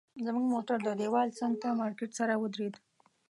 زموږ موټر د دیوال څنګ ته مارکیټ سره ودرېدل.